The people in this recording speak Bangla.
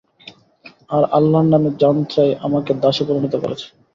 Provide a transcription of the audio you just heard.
আর আল্লাহর নামে যাঞ্চাই আমাকে দাসে পরিণত করেছে।